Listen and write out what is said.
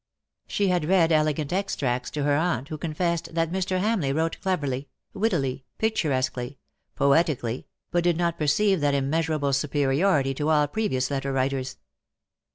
She had read elegant extracts to her aunt, who confessed that Mr. Hamleigh wrote cleverly, wittily, picturesquely, poetically, but did not perceive that immeasurable superiority to all previous letter writers.